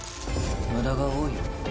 無駄が多いよ。